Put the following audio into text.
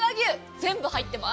全部、入ってます。